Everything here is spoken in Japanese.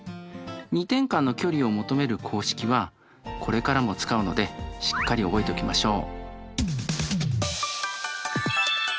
２点間の距離を求める公式はこれからも使うのでしっかり覚えておきましょう。